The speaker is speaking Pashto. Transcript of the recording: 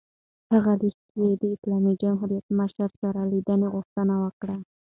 هغه لیک کې د اسلامي جمهوریت مشر سره لیدنې غوښتنه وکړه.